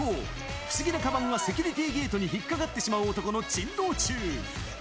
不思議なかばんがセキュリティゲートに引っ掛かってしまう男の珍道中。